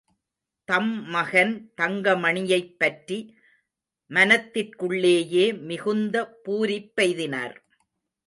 தம் மகன் தங்கமணியைப்பற்றி மனத்திற்குள்ளேயே மிகுந்த பூரிப்பெய்தினார்.